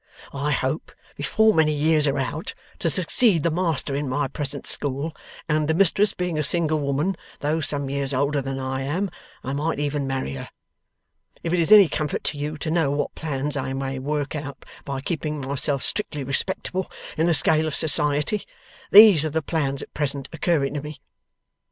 I hope, before many years are out, to succeed the master in my present school, and the mistress being a single woman, though some years older than I am, I might even marry her. If it is any comfort to you to know what plans I may work out by keeping myself strictly respectable in the scale of society, these are the plans at present occurring to me.